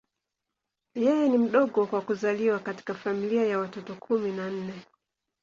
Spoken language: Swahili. Yeye ni mdogo kwa kuzaliwa katika familia ya watoto kumi na nne.